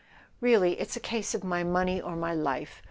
"Really: it's a case of my money or my life!"